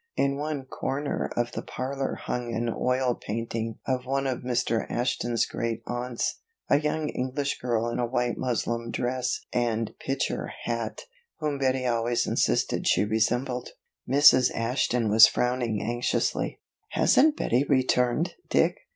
In one comer of the parlor hung an oil painting of one of Mr. Ashton's great aunts, a young English girl in a white muslin dress and picture hat, whom Betty always insisted she resembled. Mrs. Ashton was frowning anxiously. "Hasn't Betty returned, Dick?"